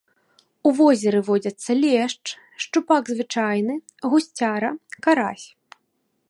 У возеры водзяцца лешч, шчупак звычайны, гусцяра, карась.